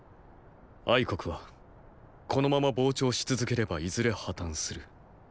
国はこのまま膨張し続ければいずれ破綻する。